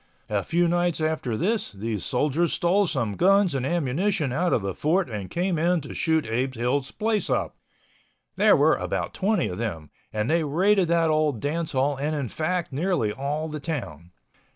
A few nights after this, these soldiers stole some guns and ammunition out of the Fort and came in to shoot Abe Hill's place up. There were about twenty of them, and they raided that old dance hall and in fact nearly all the town.